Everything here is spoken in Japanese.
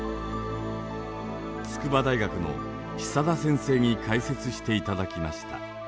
筑波大学の久田先生に解説していただきました。